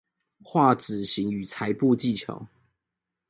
畫紙型與裁布技巧